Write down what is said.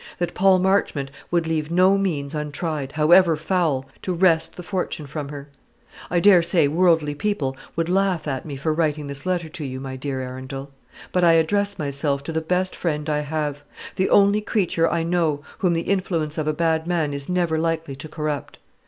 that Paul Marchmont would leave no means untried, however foul, to wrest the fortune from her. I dare say worldly people would laugh at me for writing this letter to you, my dear Arundel; but I address myself to the best friend I have, the only creature I know whom the influence of a bad man is never likely to corrupt.